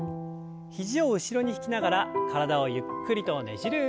肘を後ろに引きながら体をゆっくりとねじる運動です。